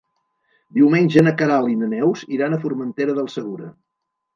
Diumenge na Queralt i na Neus iran a Formentera del Segura.